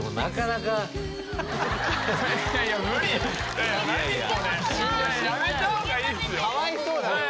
かわいそうだ